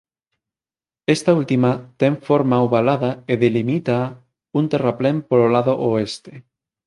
Esta última ten forma ovalada e delimítaa un terraplén polo lado oeste.